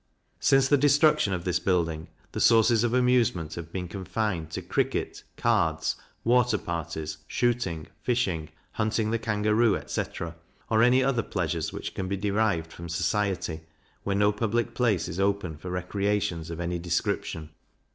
Since the destruction of this building, the sources of amusement have been confined to cricket, cards, water parties, shooting, fishing, hunting the kangaroo, etc. or any other pleasures which can be derived from society where no public place is open for recreations of any description.